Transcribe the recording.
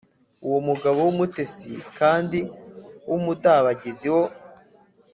“Umugabo w’umutesi kandi w’umudabagizi wo